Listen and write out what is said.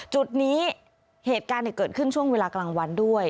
จุดนี้เหตุการณ์เกิดขึ้นช่วงเวลากลางวันด้วย